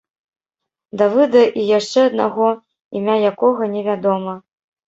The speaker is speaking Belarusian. Давыда і яшчэ аднаго, імя якога не вядома.